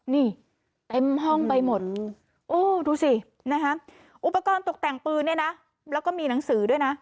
นี่เต็มห้องไปหมดดูสิอุปกรณ์ตกแต่งปืนและมีหนังสือด้วย